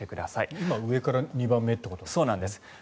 今、上から２番目ということですよね。